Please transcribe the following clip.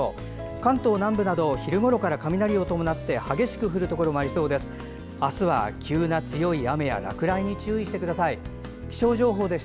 関東南部など昼ごろから雷を伴って激しく降るところもありそうです。